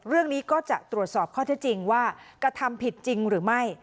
เรื่องนี้ก็จะตรวจสอบข้อเท็จจริงว่ากระทำผิดจริงหรือไม่